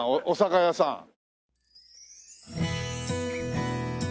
お酒屋さん。